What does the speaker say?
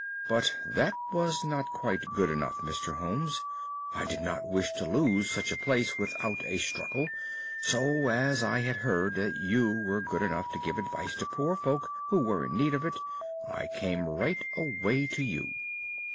But that was not quite good enough, Mr. Holmes. I did not wish to lose such a place without a struggle, so, as I had heard that you were good enough to give advice to poor folk who were in need of it, I came right away to you."